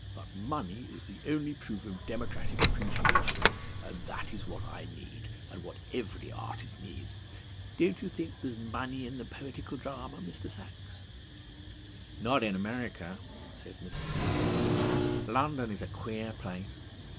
But money is the only proof of democratic appreciation, and that is what I need, and what every artist needs.... Don't you think there's money in the poetical drama, Mr. Sachs?" "Not in America," said Mr. Sachs. "London is a queer place."